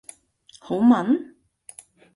好炆？